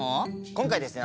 今回ですね